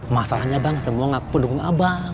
masalahnya bang semua ngaku pendukung abang